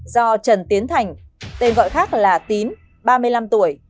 do trần tiến thành tên gọi khác là tín ba mươi năm tuổi